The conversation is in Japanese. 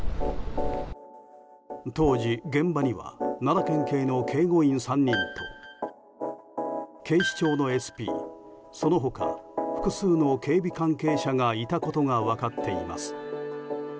当時、現場には奈良県警の警護員３人と警視庁のＳＰその他、複数の警備関係者がいたことが分かっています。